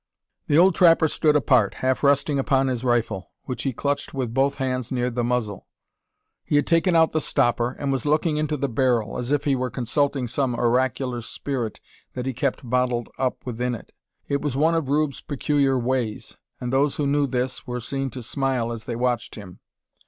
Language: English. The old trapper stood apart, half resting upon his rifle, which he clutched with both hands near the muzzle. He had taken out the "stopper," and was looking into the barrel, as if he were consulting some oracular spirit that he kept bottled up within it. It was one of Rube's peculiar "ways," and those who knew this were seen to smile as they watched him.